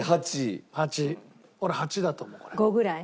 俺８だと思う。５ぐらい？